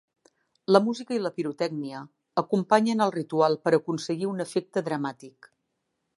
La música i la pirotècnia acompanyen el ritual per aconseguir un efecte dramàtic.